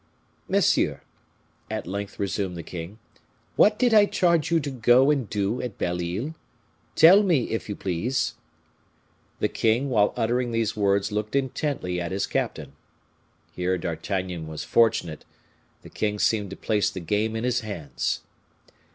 "Monsieur," at length resumed the king, "what did I charge you to go and do at Belle Isle? Tell me, if you please." The king while uttering these words looked intently at his captain. Here D'Artagnan was fortunate; the king seemed to place the game in his hands.